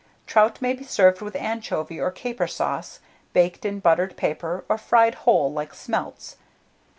Trout may be served with anchovy or caper sauce, baked in buttered paper, or fried whole like smelts.